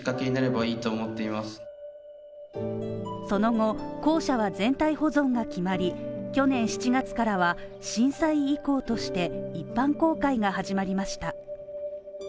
その後、校舎は全体保存が決まり去年７月からは震災遺構として一般公開が始まりました。